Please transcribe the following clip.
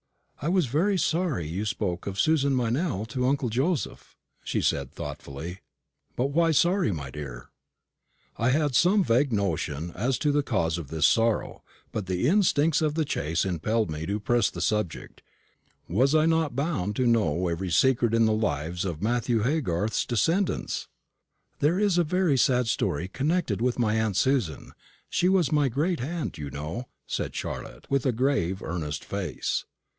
"I was very sorry you spoke of Susan Meynell to uncle Joseph," she said, thoughtfully. "But why sorry, my dear?" I had some vague notion as to the cause of this sorrow; but the instincts of the chase impelled me to press the subject. Was I not bound to know every secret in the lives of Matthew Haygarth's descendants? "There is a very sad story connected with my aunt Susan she was my great aunt, you know," said Charlotte, with a grave earnest face.